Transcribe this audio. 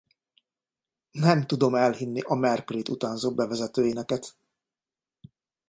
Nem tudom elhinni a Mercuryt utánzó bevezető éneket.